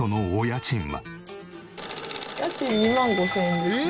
家賃２万５０００円です。